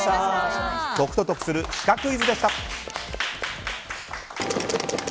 解くと得するシカクイズでした！